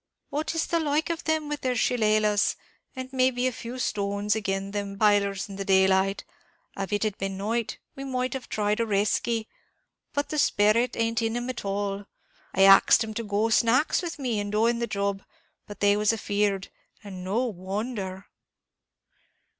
what is the like of them with their shilelahs, and may be a few stones, agin them b pailers in the daylight? Av it had been at night, we might have tried a reskey; but the sperrit ain't in 'em at all. I axed 'em to go snacks with me in doing the job, but they was afeard and no wonder."